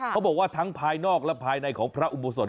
เขาบอกว่าทั้งภายนอกและภายในของพระอุโบสถ